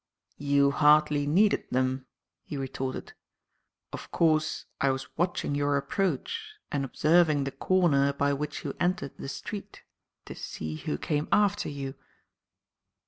"You hardly needed them," he retorted. "Of course I was watching your approach and observing the corner by which you entered the street to see who came after you."